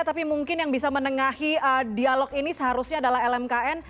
tapi mungkin yang bisa menengahi dialog ini seharusnya adalah lmkn